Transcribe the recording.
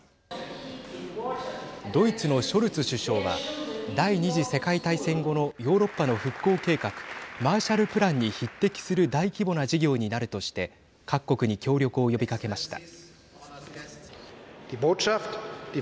ドイツのショルツ首相は第２次世界大戦後のヨーロッパの復興計画マーシャルプランに匹敵する大規模な事業になるとして各国に協力を呼びかけました。